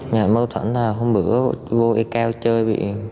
nhà mâu thuẫn hôm bữa vô e cao chơi